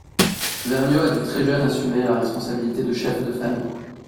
Vergniaud a dû très jeune assumé la responsabilité de chef de famille.